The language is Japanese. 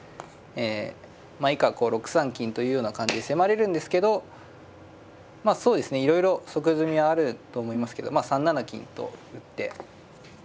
まあ以下６三金というような感じで迫れるんですけどまあそうですねいろいろ即詰みはあると思いますけど３七金と打って。